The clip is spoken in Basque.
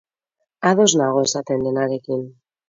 Ados nago esaten denarekin.